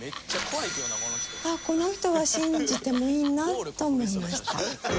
あっこの人は信じてもいいなと思いました。